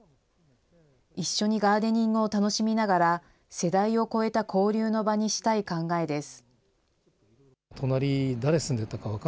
一緒にガーデニングを楽しみながら、世代を超えた交流の場にしたい考えです。